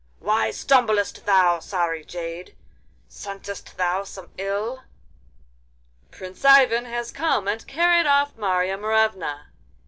'Why stumblest thou, sorry jade? Scentest thou some ill?' 'Prince Ivan has come and carried off Marya Morevna.